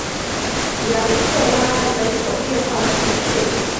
然克拉人口变化图示